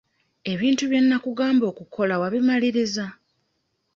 Ebintu bye nnakugamba okukola wabimaliriza?